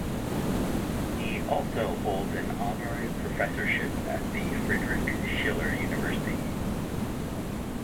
He also holds an honorary professorship at the Friedrich Schiller University.